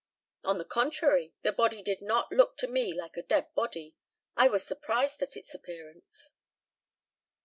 On the contrary, the body did not look to me like a dead body. I was surprised at its appearance.